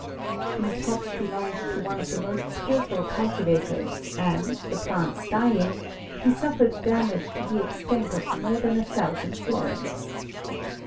'T'hese hops belonged to one of the most skilful cultivators and, the plants dying, he suffered damage to the extent of more than a thousand florins.